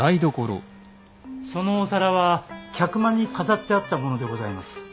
そのお皿は客間に飾ってあったものでございます。